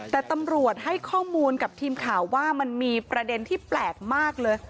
แต่ตำรวจให้ข้อมูลกับทีมข่าวว่ามันมีประเด็นที่แปลกมากเลย